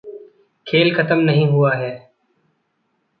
खेल खतम नहीं हुआ है।